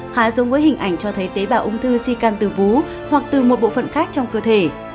hóa dung với hình ảnh cho thấy tế bào ung thư di can từ vú hoặc từ một bộ phận khác trong cơ thể